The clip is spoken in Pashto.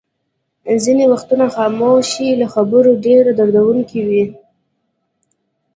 ځینې وختونه خاموشي له خبرو ډېره دردوونکې وي.